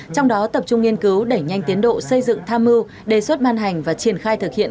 trong đó tập trung nghiên cứu đẩy nhanh tiến độ xây dựng tham mưu đề xuất ban hành và triển khai thực hiện